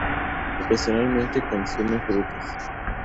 Ocasionalmente consume frutas.